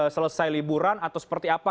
selesai liburan atau seperti apa